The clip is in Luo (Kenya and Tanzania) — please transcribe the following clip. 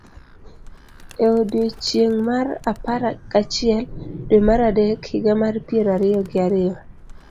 E odiechieng' mar apar gachiel, dwe mar adek, higa mar piero ariyo gi ariyo,